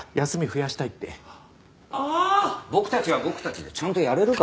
僕たちは僕たちでちゃんとやれるから。